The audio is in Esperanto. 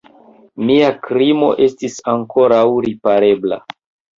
Mia krimo estis ankoraŭ riparebla.